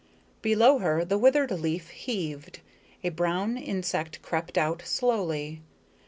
Below her the withered leaf heaved; a brown insect crept out, slowly.